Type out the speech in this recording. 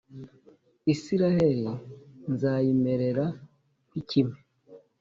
Israheli nzayimerera nk’ikime,